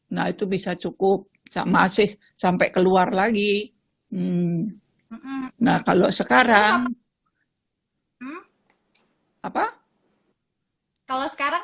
nah itu bisa cukup masih sampai keluar lagi nah kalau sekarang apa kalau sekarang